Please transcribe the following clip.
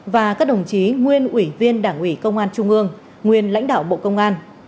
và các đồng chí nguyên ủy viên đảng ủy công an trung ương nguyên lãnh đạo bộ công an